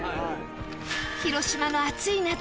広島の暑い夏！